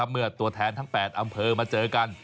เมื่อตัวแทนทั้ง๘อำเภอมาเจอกัน